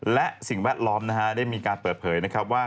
และสิ่งแวดล้อมนะฮะได้มีการเปิดเผยนะครับว่า